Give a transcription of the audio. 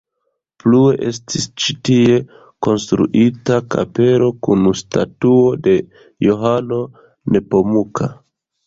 Plue estis ĉi tie konstruita kapelo kun statuo de Johano Nepomuka.